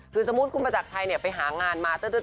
คือสมมุติคุณประจักรชัยไปหางานมา